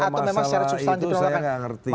kalau masalah itu atau memang secara susah